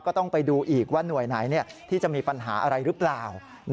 ก็ต้องไปดูอีกว่าหน่วยไหนที่จะมีปัญหาอะไรหรือเปล่า